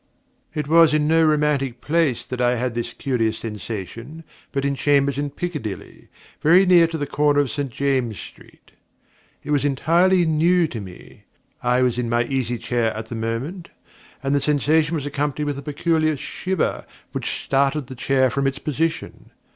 It was in no romantic place that I had this curious sensation, but in chambers in Piccadilly, very near to the corner of Saint James's Street. It was entirely new to me. I was in my easy chair at the moment, and the sensation was accompanied with a peculiar shiver which started the chair from its position.